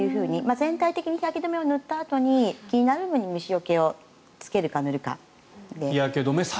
全体的に日焼け止めを塗ったあとに、気になる面に虫よけを、つけるか塗るかで。